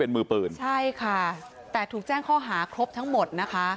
เป็นมือปืนใช่ค่ะแต่ถูกแจ้งข้อหาครบทั้งหมดนะคะ